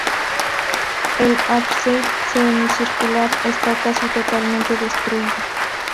El ábside, semicircular, está casi totalmente destruido.